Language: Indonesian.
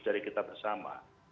dari kita bersama